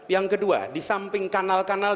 yang kedua di samping kanal kanal